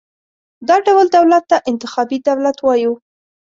دا ډول دولت ته انتخابي دولت وایو.